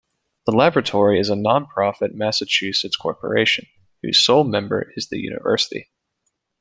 The Laboratory is a non-profit Massachusetts corporation, whose sole member is the university.